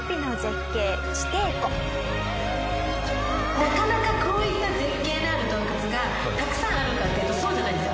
なかなかこういった絶景のある洞窟がたくさんあるかっていうとそうじゃないんですよ。